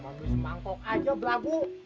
manus mangkok aja blabu